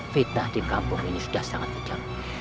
fitnah di kampung ini sudah sangat kejam